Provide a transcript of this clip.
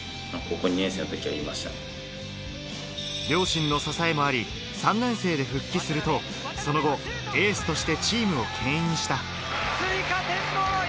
両親の支えもあり、３年生で復帰すると、その後、エースとしてチームをけん引した。